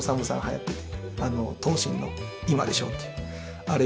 やってて。